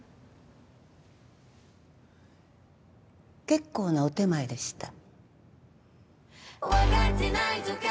結構なお点前でした。